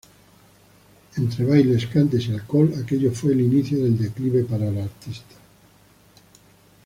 Entre bailes, cantes y alcohol, aquello fue el inicio del declive para la artista.